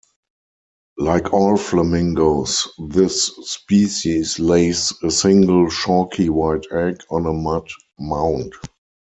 Like all flamingos, this species lays a single chalky-white egg on a mud mound.